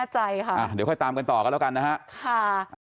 เดี๋ยวค่อยตามกันต่อกันแล้วกันนะฮะ